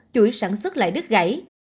chuỗi sản xuất lại đứt gãy